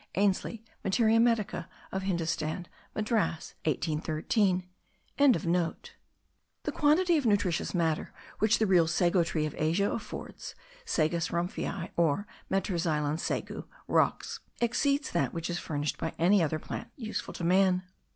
(Ainslie, Materia Medica of Hindostan, Madras 1813.)) The quantity of nutritious matter which the real sago tree of Asia affords (Sagus Rumphii, or Metroxylon sagu, Roxb.) exceeds that which is furnished by any other plant useful to man.